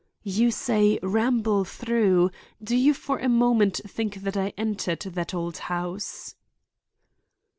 "You say 'ramble through.' Do you for a moment think that I entered that old house?"